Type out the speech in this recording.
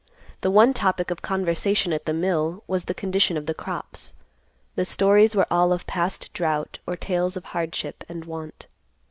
The one topic of conversation at the mill was the condition of the crops. The stories were all of past drought or tales of hardship and want.